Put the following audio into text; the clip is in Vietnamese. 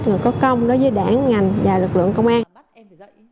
người có công đối với đảng ngành và lực lượng công an